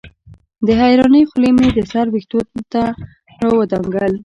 د حېرانۍ خولې مې د سر وېښتو نه راودنګل